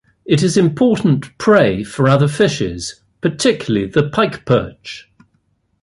It is important prey for other fishes, particularly the pikeperch.